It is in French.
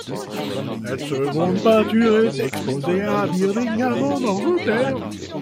Cette seconde peinture est exposée à Birmingham, en Angleterre.